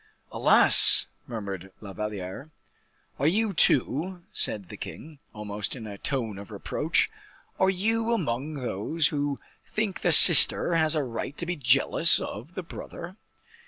"Alas!" murmured La Valliere. "Are you, too," said the king, almost in a tone of reproach, "are you among those who think the sister has a right to be jealous of the brother?"